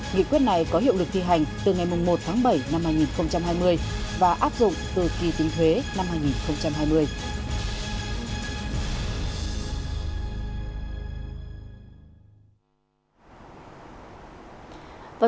nghị quyết này có hiệu lực thi hành từ ngày một tháng bảy năm hai nghìn hai mươi và áp dụng từ kỳ tính thuế năm hai nghìn hai mươi